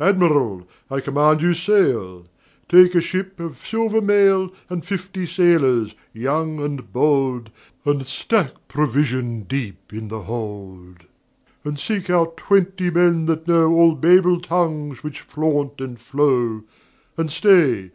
"Admiral, I command you sail! Take you a ship of silver mail, And fifty sailors, young and bold, And stack provision deep in the hold, "And seek out twenty men that know All babel tongues which flaunt and flow; And stay!